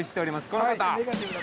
この方。